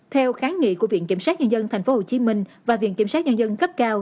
theo kháng nghị của viện kiểm soát nhân dân tp hcm và viện kiểm soát nhân dân cấp cao